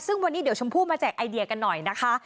ซึ่งวันนี้เดี๋ยวชมพู่มาแจกไอเดียกันหน่อยนะคะ